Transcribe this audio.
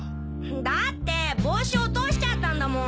だって帽子落としちゃったんだもん！